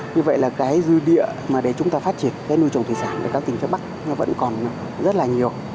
như vậy là dư địa để chúng ta phát triển nuôi trồng thủy sản của các tỉnh phía bắc vẫn còn rất nhiều